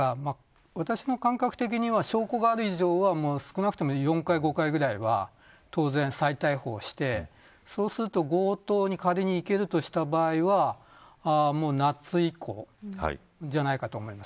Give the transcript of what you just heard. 私の感覚的には証拠がある以上は少なくとも４回、５回ぐらいは当然、再逮捕をしてそうすると、強盗に仮にいけるとした場合夏以降じゃないかと思います。